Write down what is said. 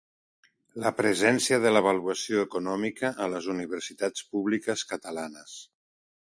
La presència de l'avaluació econòmica a les universitats públiques catalanes.